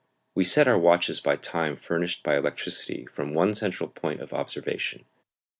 We set our watches by time furnished by electricity from one central point of observation.